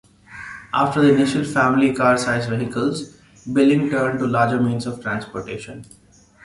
After the initial family car-sized vehicles, Billings turned to larger means of transportation.